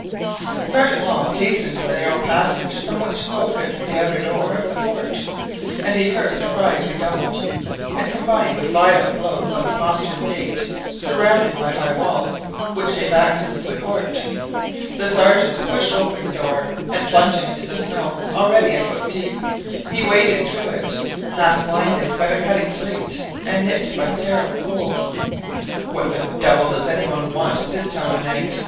Sergeant Long hastened to the narrow passage from which opened the outer door of the fort, and heard the cries redoubled, and combined with violent blows on the postern gate, surrounded by high walls, which gave access to the court. The Sergeant pushed open the door, and plunging into the snow, already a foot deep; he waded through it, although half blinded by the cutting sleet, and nipped by the terrible cold. "What the devil does any one want at this time of night?"